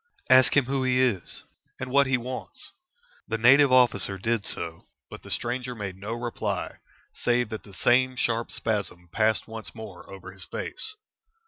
"Ask him who he is, and what he wants?" The native officer did so, but the stranger made no reply, save that the same sharp spasm passed once more over his face.